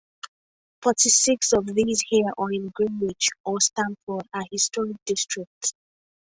Forty-six of these here or in Greenwich or Stamford are historic districts.